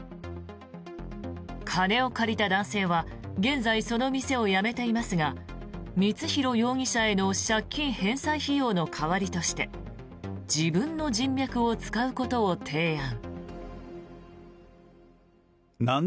金を借りた男性は現在、その店を辞めていますが光弘容疑者への借金返済費用の代わりとして自分の人脈を使うことを提案。